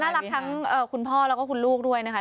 รักทั้งคุณพ่อแล้วก็คุณลูกด้วยนะคะ